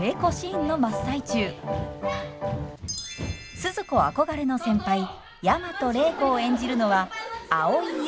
スズ子憧れの先輩大和礼子を演じるのは蒼井優さん。